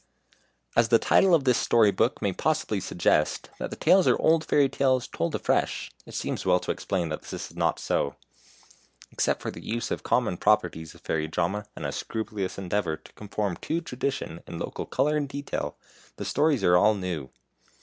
As the title of this story book may possibly suggest that the tales are old fairy tales told afresh, it seems well to explain that this is not so. Except for the use of common "properties" of Fairy Drama, and a scrupulous endeavour to conform to tradition in local colour and detail, the stories are all new.